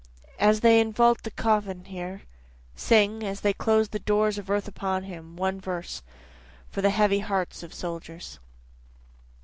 As they invault the coffin there, Sing as they close the doors of earth upon him one verse, For the heavy hearts of soldiers.